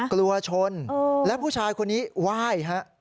กลัวชนและผู้ชายคนนี้ไหว้ฮะ